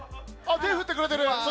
手振ってくれてる。